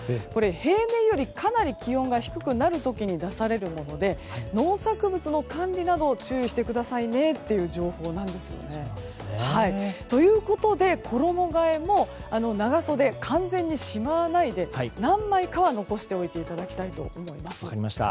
平年よりかなり気温が低くなる時に出されるもので農作物の管理などを注意してくださいねという情報なんです。ということで、衣替えも長袖、完全にしまわないで何枚かは残しておいていただきたいと思います。